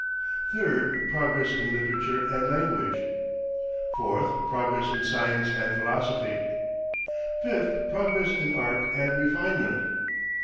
3rd. Progress in literature and language. 4th. Progress in science and philosophy. 5th. Progress in art and refinement.